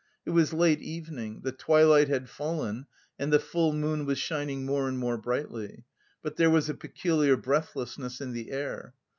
It was late evening. The twilight had fallen and the full moon was shining more and more brightly; but there was a peculiar breathlessness in the air.